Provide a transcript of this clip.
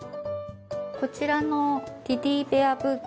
こちらのテディベアブーケ。